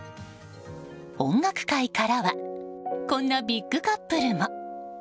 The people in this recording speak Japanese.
音楽界からはこんなビッグカップルも。